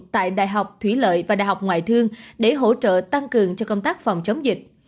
tại đại học thủy lợi và đại học ngoại thương để hỗ trợ tăng cường cho công tác phòng chống dịch